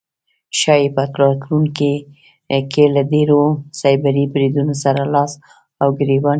ښایي په راتلونکی کې له لا ډیرو سایبري بریدونو سره لاس او ګریوان شي